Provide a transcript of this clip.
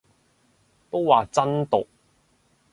都話真毒